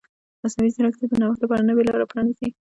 مصنوعي ځیرکتیا د نوښت لپاره نوې لارې پرانیزي.